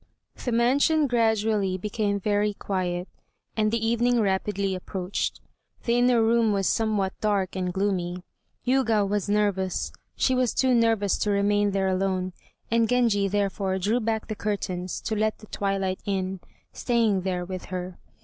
The mansion gradually became very quiet, and the evening rapidly approached. The inner room was somewhat dark and gloomy. Yûgao was nervous; she was too nervous to remain there alone, and Genji therefore drew back the curtains to let the twilight in, staying there with her.